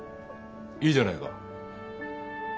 いいじゃないか。